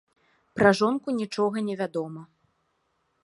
Пра жонку нічога не вядома.